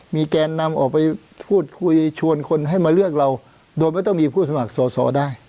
มีแกนนำออกไปพูดคุยชวนคนให้มาเลือกเราโดยไม่ต้องมีผู้สมัครสอสอได้